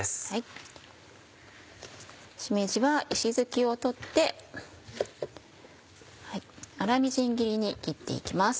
しめじは石づきを取って粗みじん切りに切って行きます。